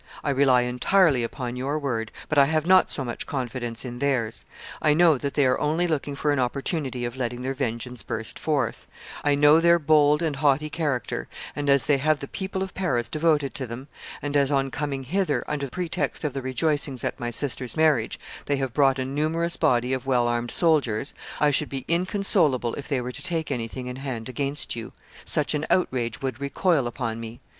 I rely entirely upon your word, but I have not so much confidence in theirs; I know that they are only looking for an opportunity of letting their vengeance burst forth; I know their bold and haughty character; as they have the people of Paris devoted to them, and as, on coming hither, under pretext of the rejoicings at my sister's marriage, they have brought a numerous body of well armed soldiers, I should be inconsolable if they were to take anything in hand against you; such an outrage would recoil upon me.